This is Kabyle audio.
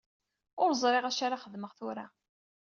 Ur ẓriɣ acu ara xedmeɣ tura.